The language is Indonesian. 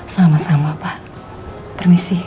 sama sama pak permisi